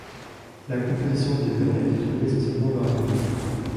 La composition des veines a été trouvée essentiellement variable.